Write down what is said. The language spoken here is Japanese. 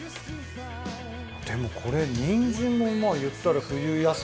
でもこれにんじんもまあ言ったら冬野菜？